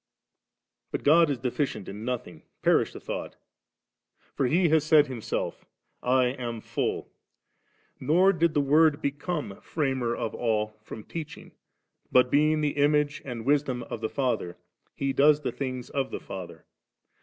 But God is deficient in nothing : perish the thought ! for He has said Himself, * I am full •.' Nor did the Word become Framer of all firom teaching ; but being the Image and Wisdom of the Father, He does the things of the Father.